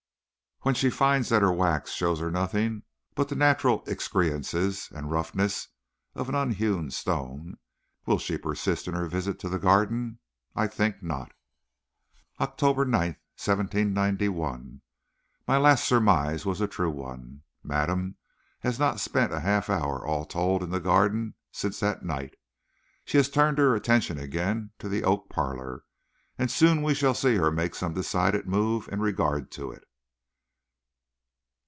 When she finds that her wax shows her nothing but the natural excrescences and roughnesses of an unhewn stone, will she persist in her visits to the garden? I think not. OCTOBER 19, 1791. My last surmise was a true one. Madame has not spent a half hour all told in the garden since that night. She has turned her attention again to the oak parlor, and soon we shall see her make some decided move in regard to it.